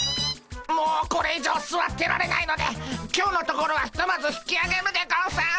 もうこれ以上すわってられないので今日のところはひとまず引きあげるでゴンス！